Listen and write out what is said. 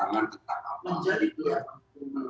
menjadi itu ya